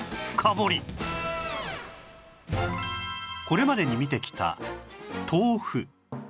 これまでに見てきた豆腐